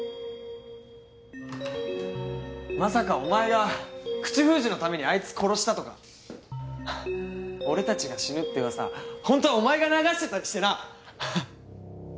まさかお前が口封じのためにあいつ殺したとか俺たちが死ぬって噂ホントはお前が流してたりしてなハハっ。